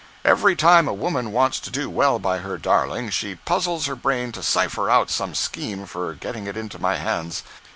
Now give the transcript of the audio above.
"Every time a woman wants to do well by her darling, she puzzles her brain to cipher out some scheme for getting it into my hands.